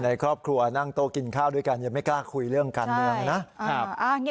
ในครอบครัวนั่งโต๊ะกินข้าวด้วยกันยังไม่กล้าคุยเรื่องการเมืองนะครับ